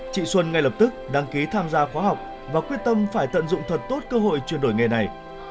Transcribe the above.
chị xuân ngay lập tức đăng ký tham gia khóa học và quyết tâm phải tận dụng thật tốt cơ hội chuyển đổi nghề này